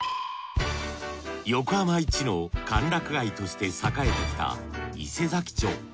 横浜一の歓楽街として栄えてきた伊勢佐木町。